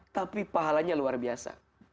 tapi pahalanya luar biasa